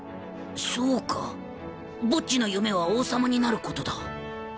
そうかボッジの夢は王様になることだ